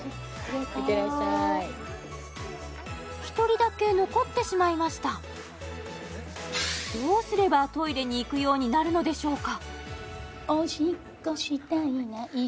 行ってらっしゃい１人だけ残ってしまいましたどうすればトイレに行くようになるのでしょうか？